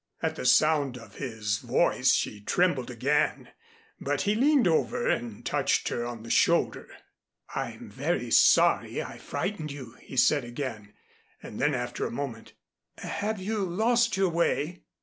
At the sound of his voice she trembled again, but he leaned over and touched her on the shoulder. "I'm very sorry I frightened you," he said again. And then after a moment, "Have you lost your way?"